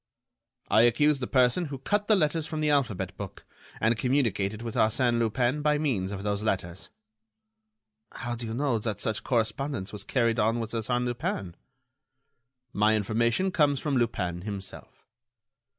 "I accuse the person who cut the letters from the alphabet book, and communicated with Arsène Lupin by means of those letters." "How do you know that such correspondence was carried on with Arsène Lupin?" "My information comes from Lupin himself."